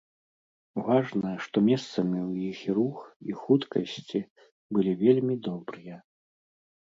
Важна, што месцамі ў іх і рух, і хуткасці былі вельмі добрыя.